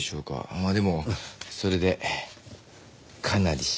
まあでもそれでかなり絞られますよ。